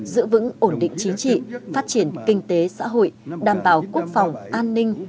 giữ vững ổn định chính trị phát triển kinh tế xã hội đảm bảo quốc phòng an ninh